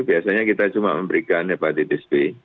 biasanya kita cuma memberikan hepatitis b